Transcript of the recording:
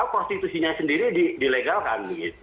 prostitusinya sendiri dilegalkan